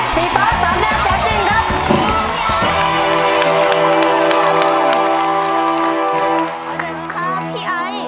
สีฟ้าสำแน่แจ้วจริงครับ